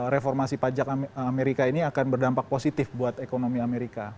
reformasi pajak amerika ini akan berdampak positif buat ekonomi amerika